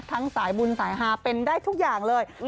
สายบุญสายฮาเป็นได้ทุกอย่างเลย